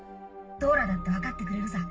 ・ドーラだって分かってくれるさ